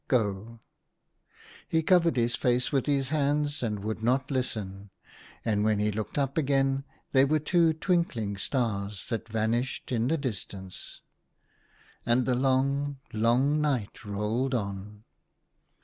Go !" He covered his face with his hands and would not listen ; and when he looked up again they were two twink ling stars, that vanished in the distance. And the long, long night rolled on.